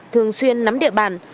thường xuyên nắm địa bàn